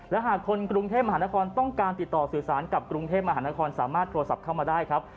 และหากคนกรุงเทพมหานครต้องการติดต่อสื่อสารกับกรุงเทพมหานครสามารถโทรศัพท์เข้ามาได้ครับ